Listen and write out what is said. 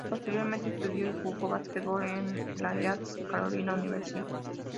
Posteriormente, estudió y jugó básquetbol en la East Carolina University.